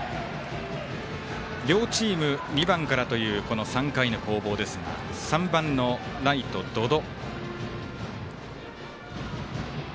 両チーム２番からという３回の攻防ですが３番のライト、百々。